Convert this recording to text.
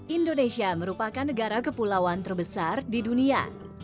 indonesia merupakan negara kepulauan terbesar di dunia